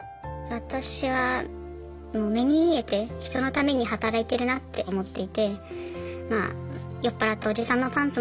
私はもう目に見えて人のために働いてるなって思っていてまあ酔っ払ったおじさんのパンツもはかせますし。